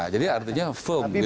jadi artinya firm gitu